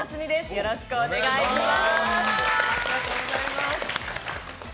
よろしくお願いします。